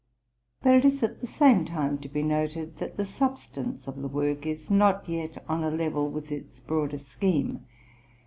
But it is at the same time to be noted that the substance of the work is not yet on a level with its broader scheme.